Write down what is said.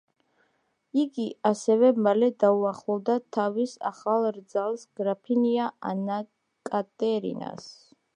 იგი ასევე მალე დაუახლოვდა თავის ახალ რძალს, გრაფინია ანა კატერინას.